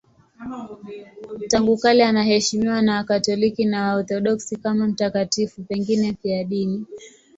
Tangu kale anaheshimiwa na Wakatoliki na Waorthodoksi kama mtakatifu, pengine mfiadini.